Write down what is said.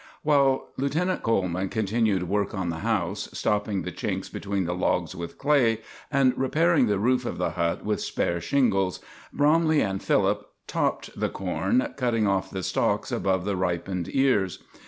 While Lieutenant Coleman continued work on the house, stopping the chinks between the logs with clay, and repairing the roof of the hut with spare shingles, Bromley and Philip "topped" the corn, cutting off the stalks above the ripened ears.